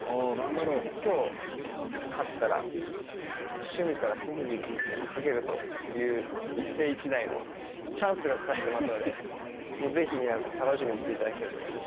今日勝ったら趣味から特技に書けるという一世一代のチャンスがかかってますのでぜひ皆さん楽しみにして頂きたいと思います。